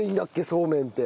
そうめんって。